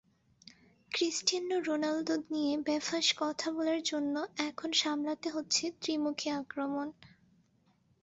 Cristiano রোনালদোকে নিয়ে বেফাঁস কথা বলার জন্য এখন সামলাতে হচ্ছে ত্রিমুখী আক্রমণ।